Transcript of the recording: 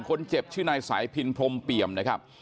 คนเจ็บชื่อนายสายพินทมเปียมนะครับ